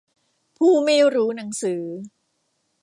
ผู้ไม่รู้หนังสือ